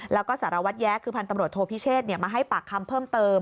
แล้วก็สารวัตรแย้คือพันธ์ตำรวจโทพิเชษมาให้ปากคำเพิ่มเติม